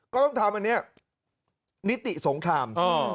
ก็ต้องทำอันนี้นิติสงคราม